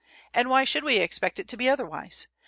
And why should we expect it to be otherwise?